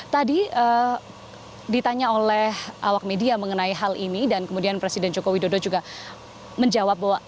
tadi ditanya oleh awak media mengenai hal ini dan kemudian presiden joko widodo juga menjawab bahwa